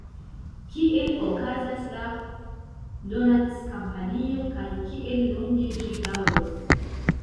Kiel okazas la donackampanjo, kaj kiel longe ĝi daŭros?